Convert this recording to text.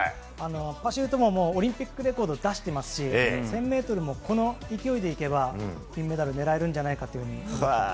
パシュートもオリンピックレコードを出していますし１０００ｍもこの勢いなら金メダルを狙えると思います。